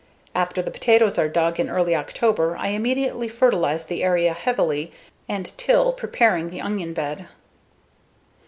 After the potatoes are dug in early October I immediately fertilize the area heavily and till, preparing the onion bed.